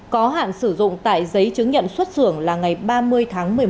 có hạn sử dụng tại giấy chứng nhận xuất xưởng là ngày ba mươi tháng một mươi một